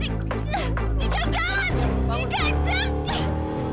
tingka jangan tingka jangan